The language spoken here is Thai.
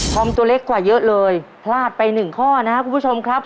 ตัวเล็กกว่าเยอะเลยพลาดไปหนึ่งข้อนะครับคุณผู้ชมครับ